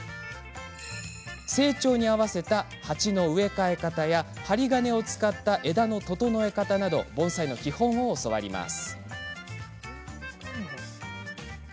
成長に合わせた鉢の植え替え方や針金を使った枝の整え方など盆栽の基本を教わります。